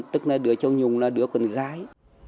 tức là đứa cháu nhung là đứa con gái